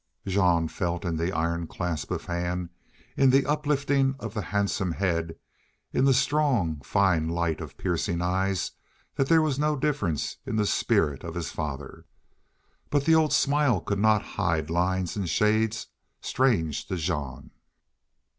Jean felt in the iron clasp of hand, in the uplifting of the handsome head, in the strong, fine light of piercing eyes that there was no difference in the spirit of his father. But the old smile could not hide lines and shades strange to Jean.